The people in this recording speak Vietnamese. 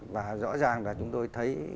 và rõ ràng là chúng tôi thấy